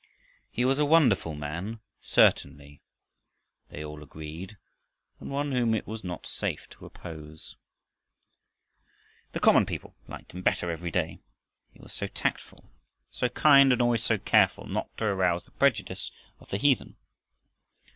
He was a wonderful man certainly, they all agreed, and one whom it was not safe to oppose. The common people liked him better every day. He was so tactful, so kind, and always so careful not to arouse the prejudice of the heathen.